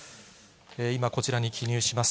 今、こちらに記入します。